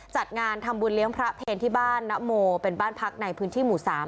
จัดงานทำบุญเลี้ยงพระเพลที่บ้านนโมเป็นบ้านพักในพื้นที่หมู่๓